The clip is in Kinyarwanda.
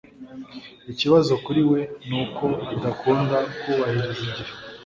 ikibazo kuri we nuko adakunda kubahiriza igihe